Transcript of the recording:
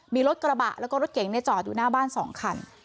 มีรถกระบะแล้วก็รถเก๋งจอดอยู่หน้าบ้าน๒คัน